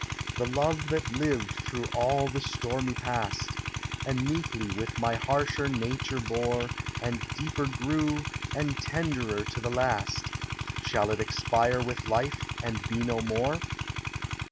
The love that lived through all the stormy past, And meekly with my harsher nature bore, And deeper grew, and tenderer to the last, Shall it expire with life, and be no more?